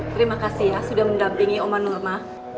terima kasih ya sudah mendampingi oma nurma